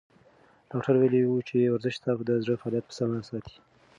ډاکتر ویلي وو چې ورزش ستا د زړه فعالیت په سمه ساتي.